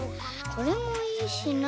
これもいいしな。